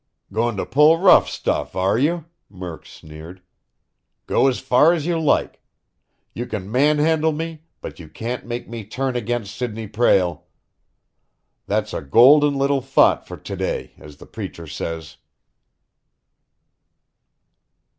"Goin' to pull rough stuff, are you?" Murk sneered. "Go as far as you like! You can manhandle me, but you can't make me turn against Sidney Prale. That's a golden little thought for to day, as the preacher says."